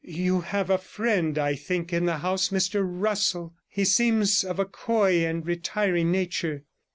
You have a friend, I think, in the house, Mr Russell? He seems of a coy and retiring nature.'